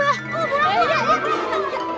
oh pulang dulu ya